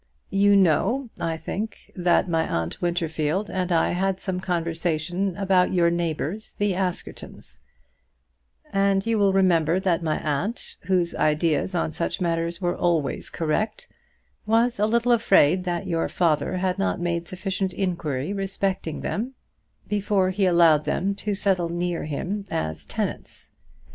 You know, I think, that my aunt Winterfield and I had some conversation about your neighbours, the Askertons; and you will remember that my aunt, whose ideas on such matters were always correct, was a little afraid that your father had not made sufficient inquiry respecting them before he allowed them to settle near him as tenants.